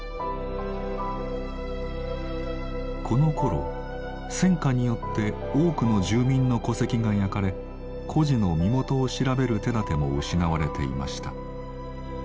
このころ戦火によって多くの住民の戸籍が焼かれ孤児の身元を調べる手だても失われていました。